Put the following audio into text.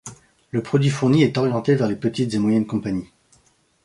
Le produit fourni est orienté vers les petites et moyennes compagnies.